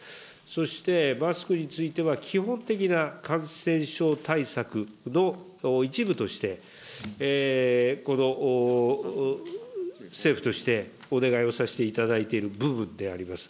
そして、マスクについては基本的な感染症対策の一部として、政府として、お願いをさせていただいている部分であります。